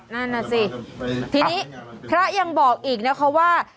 นั่นน่ะสิทีนี้พระยังบอกอีกนะคะว่า